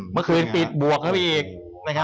เมื่อคืนปิดบวกเข้าไปอีก